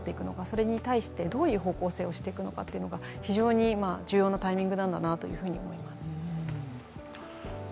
それに対してどういう方向性にしていくのか非常に重要なタイミングなんだなと思います。